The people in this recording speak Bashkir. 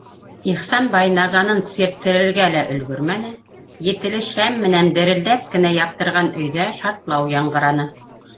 - Ихсанбай наганын сирттерергә өлгөрмәне, етеле шәм менән дерелдәп кенә яҡтырған өйҙә шартлау яңғыраны.